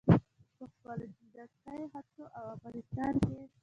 په خپلو جنګي هڅو او افغانستان کښې